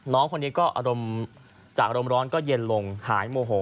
น้องคนนี้ก็อารมณ์จากอารมณ์ร้อนก็เย็นลงหายโมโห